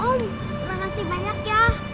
om makasih banyak ya